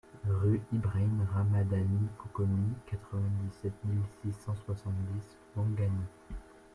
RUE IBRAHIM RAMADANI COCONI, quatre-vingt-dix-sept mille six cent soixante-dix Ouangani